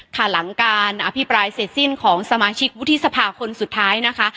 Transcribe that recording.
ค่ะหลังการอภิปรายเสร็จสิ้นของสมาชิกวุฒิสภาคนสุดท้ายนะคะ